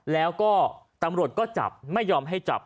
แล้วก็ตำรวจก็จับไม่ยอมให้จับ